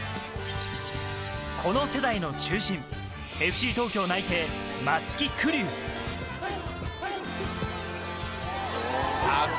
この世代の中心、ＦＣ東京内定・松木玖生。